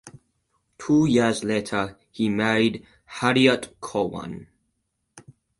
Two years later he married Harriett Cowan.